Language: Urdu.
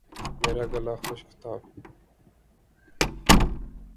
میرا گلا خشک تھا